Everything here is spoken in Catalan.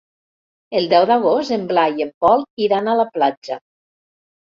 El deu d'agost en Blai i en Pol iran a la platja.